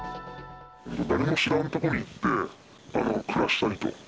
誰も知らん所に行って暮らしたいと。